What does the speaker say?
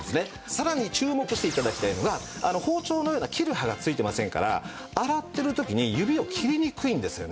さらに注目して頂きたいのが包丁のような切る刃が付いてませんから洗ってる時に指を切りにくいんですよね。